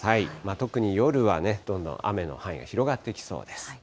特に夜はね、どんどん雨の範囲が広がってきそうです。